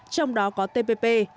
trong đó có tpp